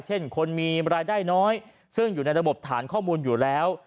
เช่นคนมีรายได้น้อยซึ่งอยู่ในระบบฐานข้อมูลอยู่แล้ว